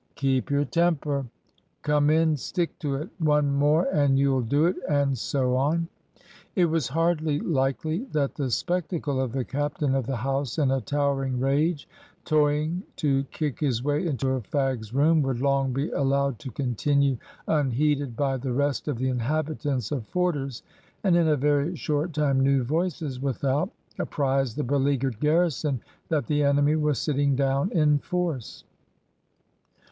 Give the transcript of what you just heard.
"Keep your temper!" "Come in!" "Stick to it!" "One more and you'll do it!" and so on. It was hardly likely that the spectacle of the captain of the house in a towering rage, toying to kick his way into a fag's room, would long be allowed to continue unheeded by the rest of the inhabitants of Forder's, and in a very short time new voices without apprised the beleaguered garrison that the enemy was sitting down in force.